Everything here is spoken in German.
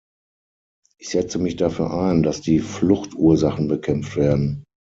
Ich setze mich dafür ein, dass die Fluchtursachen bekämpft werden.